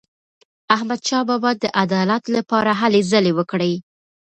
احمدشاه بابا د عدالت لپاره هلې ځلې وکړې.